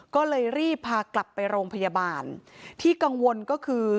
ก็เลยรีบพากลับไปโรงพยาบาลที่กังวลก็คือ